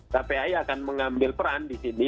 kpai akan mengambil peran di sini